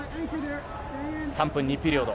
３分２ピリオド。